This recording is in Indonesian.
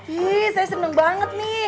wih saya seneng banget nih